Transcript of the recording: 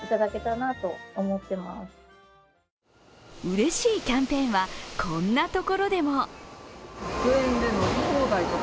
うれしいキャンペーンはこんなところでも。